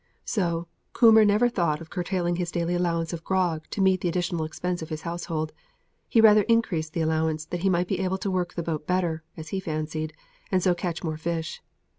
So Coomber never thought of curtailing his daily allowance of grog to meet the additional expense of his household: he rather increased the allowance, that he might be able to work the boat better, as he fancied, and so catch more fish.